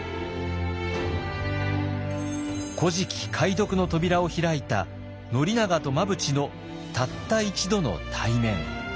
「古事記」解読の扉を開いた宣長と真淵のたった一度の対面。